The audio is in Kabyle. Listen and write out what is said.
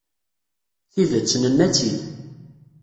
Tidet, nenna-tt-id.